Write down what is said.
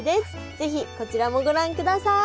是非こちらもご覧ください。